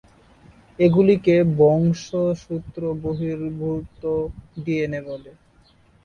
এগুলিকে বংশসূত্র-বহির্ভূত ডিএনএ বলে।